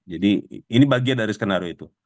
jadi ini bagian dari skenario itu